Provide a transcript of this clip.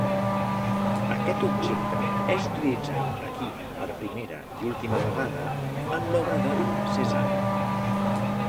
Aquest objecte és usat aquí per primera i última vegada en l'obra de Cézanne.